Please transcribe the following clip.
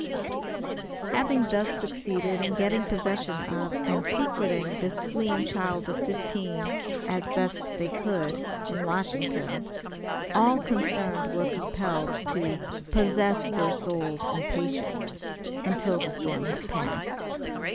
Having thus succeeded in getting possession of, and secreting this fleeing child of fifteen, as best they could, in Washington, all concerned were compelled to "possess their souls in patience," until the storm had passed.